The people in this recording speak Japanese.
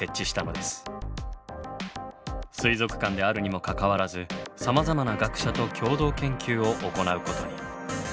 水族館であるにもかかわらずさまざまな学者と共同研究を行うことに。